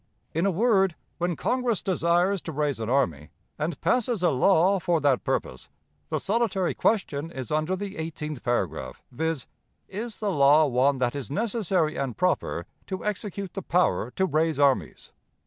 In a word, when Congress desires to raise an army, and passes a law for that purpose, the solitary question is under the eighteenth paragraph, viz., 'Is the law one that is necessary and proper to execute the power to raise armies?'